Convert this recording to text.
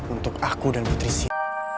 untuk aku dan putri sita